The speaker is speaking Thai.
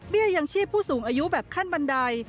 ยังชีพผู้สูงอายุแบบขั้นบันได